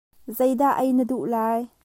Zeidah ei na duh lai?